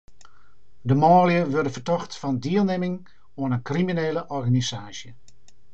De manlju wurde fertocht fan dielnimming oan in kriminele organisaasje.